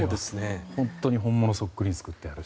本当に本物そっくりに作っているので。